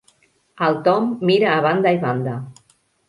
El Tom mira a banda i banda.